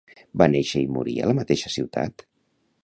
Va néixer i morir a la mateixa ciutat?